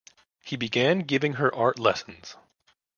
He began giving her art lessons.